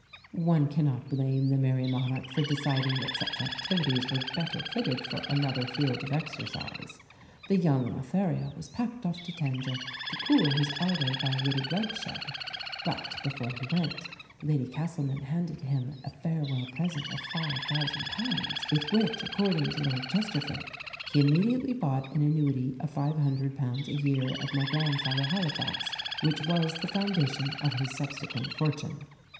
One cannot blame the "Merrie Monarch" for deciding that such activities were better fitted for another field of exercise. The young Lothario was packed off to Tangier to cool his ardour by a little bloodshed; but before he went Lady Castlemaine handed him a farewell present of £5,000 with which, according to Lord Chesterfield, "he immediately bought an annuity of £500 a year of my grandfather Halifax, which was the foundation of his subsequent fortune."